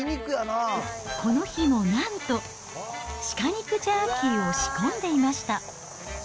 この日もなんと、鹿肉ジャーキーを仕込んでいました。